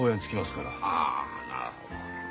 ああなるほど。